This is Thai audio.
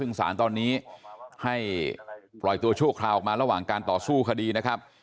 ซึ่งสารตอนนี้ให้ปล่อยตัวชั่วคราวออกมาระหว่างการต่อสู้คดีนะครับ